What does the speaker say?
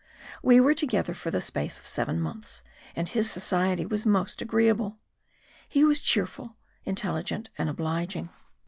We were together for the space of seven months, and his society was most agreeable: he was cheerful, intelligent and obliging.